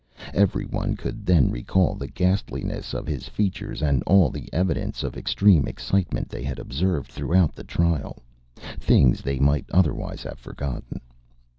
Every one could then recall the ghastliness of his features and all the evidences of extreme excitement they had observed throughout the trial, things they might otherwise have forgotten.